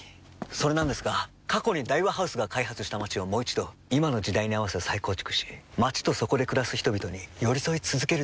それなんですが過去に大和ハウスが開発した街をもう一度今の時代に合わせ再構築し街とそこで暮らす人々に寄り添い続けるという試みなんです。